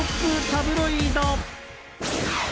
タブロイド。